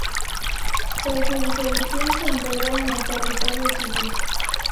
Tras su disolución se integró en el territorio civil.